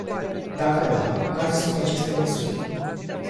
Dacă da, care sunt aceste măsuri?